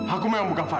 aku mau yang bukan fadil